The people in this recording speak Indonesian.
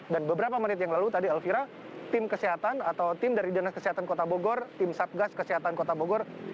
dan beberapa menit yang lalu tadi elvira tim kesehatan atau tim dari dinas kesehatan kota bogor tim sabgas kesehatan kota bogor